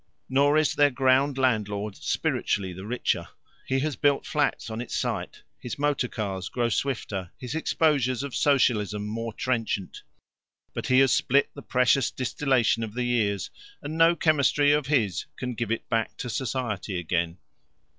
Nor is their ground landlord spiritually the richer. He has built flats on its site, his motor cars grow swifter, his exposures of Socialism more trenchant. But he has spilt the precious distillation of the years, and no chemistry of his can give it back to society again.